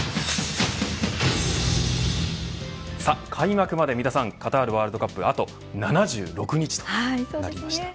開幕までカタールワールドカップまであと７６日となりました。